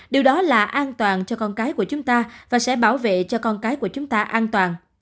điều đó là an toàn cho con cái của chúng ta và sẽ bảo vệ cho con cái của chúng ta an toàn